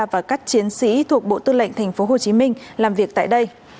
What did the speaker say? và các chiến sĩ thuộc bộ tư lệnh tp hcm làm việc tại đây